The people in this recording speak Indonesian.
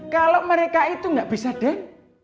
kalau mereka itu gak bisa deh